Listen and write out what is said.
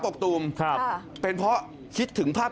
ก็ตอบได้คำเดียวนะครับ